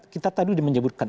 kita tadi sudah menyebutkan